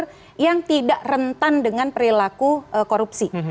figur figur yang tidak rentan dengan perilaku korupsi